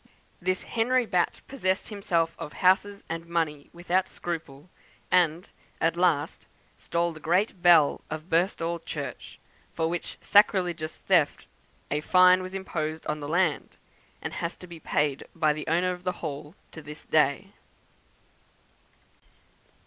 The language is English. This Henry Batt possessed himself of houses and money without scruple; and, at last, stole the great bell of Birstall Church, for which sacrilegious theft a fine was imposed on the land, and has to be paid by the owner of the Hall to this day.